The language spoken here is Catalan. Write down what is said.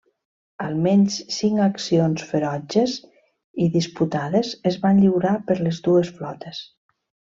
Almenys cinc accions ferotges i disputades es van lliurar per les dues flotes.